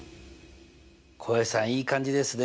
浩平さんいい感じですね。